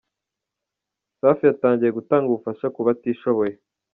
Safi yatangiye gutanga ubufasha ku batishoboye.